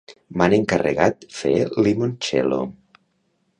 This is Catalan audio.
m'han encarregat fer limoncello